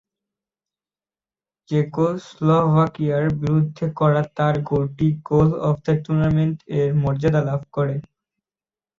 চেকোস্লোভাকিয়ার বিরুদ্ধে করা তার গোলটি "গোল অফ দ্য টুর্নামেন্ট" এর মর্যাদা লাভ করে।